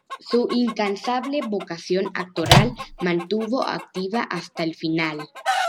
Su incansable vocación actoral la mantuvo activa hasta el final.